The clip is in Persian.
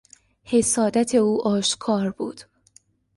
حسادت او آشکار بود.